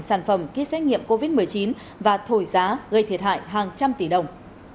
sản phẩm kýt xét nghiệm covid một mươi chín và thổi giá gây thiệt hại hàng trăm tỷ đồng